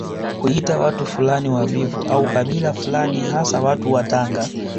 Kuita watu fulani wavivu au kabila fulani hasa watu wa Tanga